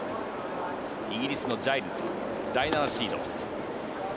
イギリスのジャイルズ第７シード。